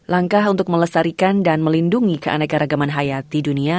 langkah untuk melestarikan dan melindungi keanekaragaman hayat di dunia